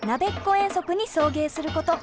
遠足に送迎すること。